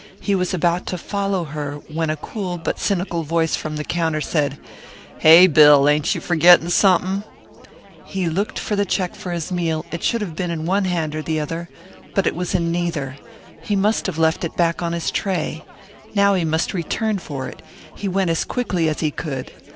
He was about to follow her when a cool but cynical voice from the counter said, "Hey, Bill ain't you fergittin' somepin'." He looked for the check for his meal; it should have been in one hand or the other. But it was in neither. He must have left it back on his tray. Now he must return for it. He went as quickly as he could.